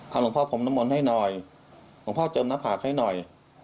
หลวงพ่อพรมน้ำมนต์ให้หน่อยหลวงพ่อเจิมหน้าผากให้หน่อย